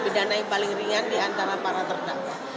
bedana yang paling ringan di antara para terdakwa